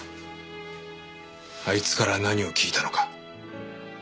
あいつから何を聞いたのか。